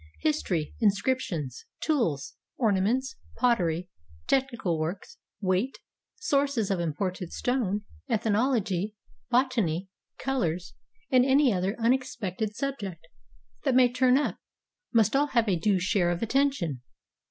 History, inscriptions, tools, ornaments, pottery, technical works, weight, sources of imported stone, eth nology, botany, colors, and any other unexpected sub ject that may turn up, must all have a due share of attention.